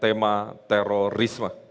pertanyaan berkaitan dengan tema terorisme